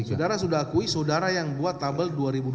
saudara sudah akui saudara yang buat tabel dua ribu dua puluh